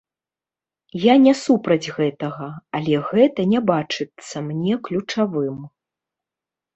Я не супраць гэтага, але гэта не бачыцца мне ключавым.